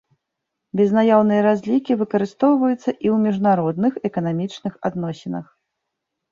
Безнаяўныя разлікі выкарыстоўваюцца і ў міжнародных эканамічных адносінах.